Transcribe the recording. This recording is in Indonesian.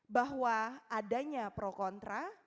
bahwa adanya pro kontra